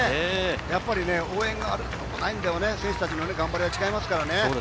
やっぱり応援があるのとないのでは選手の頑張りも違いますからね。